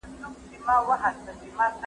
پښتو کلمو لپاره املا ضروري ده.